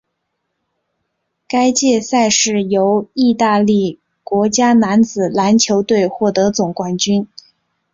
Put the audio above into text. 该届赛事由义大利国家男子篮球队获得总冠军。